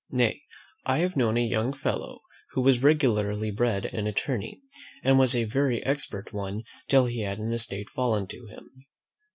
Nay, I have known a young fellow, who was regularly bred an attorney, and was a very expert one till he had an estate fallen to him.